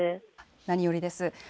何よりです。